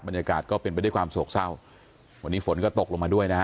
บรรยากาศก็เป็นไปด้วยความโศกเศร้าวันนี้ฝนก็ตกลงมาด้วยนะฮะ